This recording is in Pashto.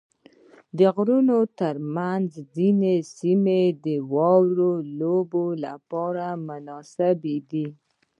د غرونو منځ کې ځینې سیمې د واورې لوبو لپاره مناسبې دي.